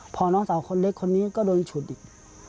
พอน้องสาวคนเล็กคนนี้ก็โดนฉุดอีก